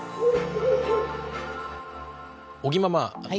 尾木ママ